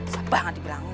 sampah gak dibilangin